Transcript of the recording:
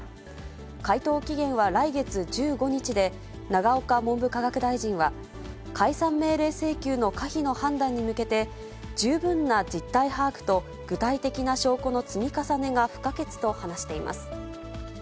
回答期限は来月１５日で、永岡文部科学大臣は、解散命令請求の可否の判断に向けて、十分な実態把握と具体的な証拠の積み重ねが不可欠と話しています。